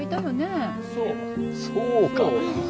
そうかな？